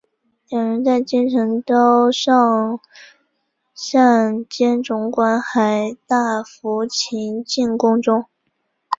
两人在京城遭尚膳监总管海大富擒进宫中。